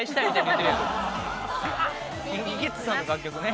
ＫｉｎＫｉＫｉｄｓさんの楽曲ね。